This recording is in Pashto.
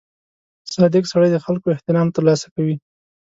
• صادق سړی د خلکو احترام ترلاسه کوي.